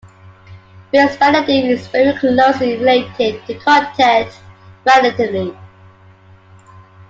Face validity is very closely related to content validity.